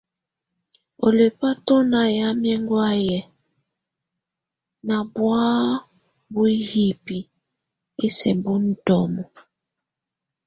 Ɔ lɛba tɔna yamɛ ɛnŋgɔayɛ na bɔa bɔ hibi ɛsɛ bɔ ndɔmɔ.